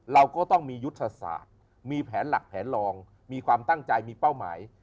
เราก็ต้องมียุทธศาสตร์มีแผนหลักแผนลองมีความตั้งใจมีเป้าหมาย